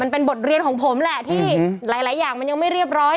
เป็นบทเรียนของผมแหละที่หลายอย่างมันยังไม่เรียบร้อย